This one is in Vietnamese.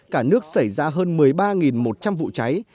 cả nước xảy ra hơn một mươi ba một trăm linh vụ cháy